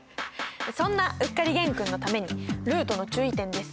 そんなうっかり玄君のためにルートの注意点です。